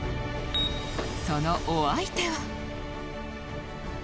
そのお相手は